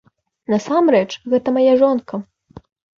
Насамрэч, гэта мая жонка!